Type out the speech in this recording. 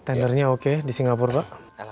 tendernya oke di singapura pak